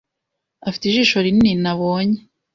Afite ijisho rinini nabonye.